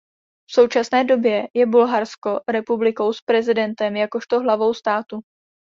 V současné době je Bulharsko republikou s prezidentem jakožto hlavou státu.